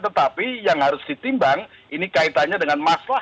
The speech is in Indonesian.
tetapi yang harus ditimbang ini kaitannya dengan masalah